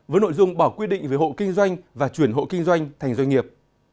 với nội dung bảo quyết định về hộ kinh doanh và chuyển hộ kinh doanh thành doanh nghiệp